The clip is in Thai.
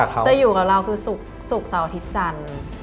จันทร์ไปส่งโรงเรียน